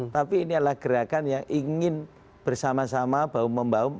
tapi ini adalah gerakan yang ingin bersama sama bahu membahu